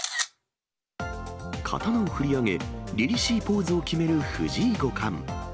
刀を振り上げ、りりしいポーズを決める藤井五冠。